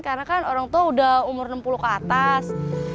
karena kan orang tua udah umur enam puluh ke atas